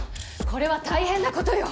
これは大変な事よ！